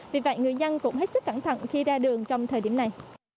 vì vậy người dân cũng hết sức cẩn thận khi ra đường trong thời điểm này